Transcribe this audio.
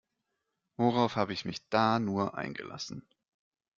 Worauf habe ich mich da nur eingelassen?